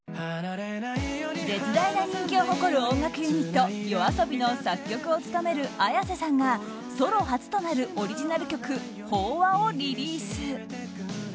絶大な人気を誇る音楽ユニットＹＯＡＳＯＢＩの作曲を務めるＡｙａｓｅさんがソロ初となるオリジナル曲「飽和」をリリース。